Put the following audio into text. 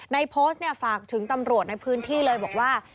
ในโพสต์ฝากถึงตำรวจในพื้นที่เลยบอกว่า